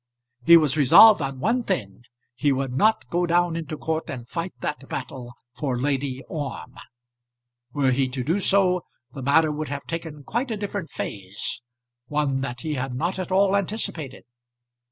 He was resolved on one thing. He would not go down into court and fight that battle for Lady Orme. Were he to do so the matter would have taken quite a different phase, one that he had not at all anticipated.